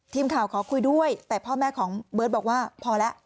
ขอคุยด้วยแต่พ่อแม่ของเบิร์ตบอกว่าพอแล้ว